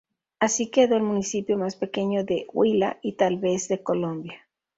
Así quedó el municipio más pequeño del Huila y tal vez de Colombia.